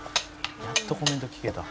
「やっとコメント聞けた」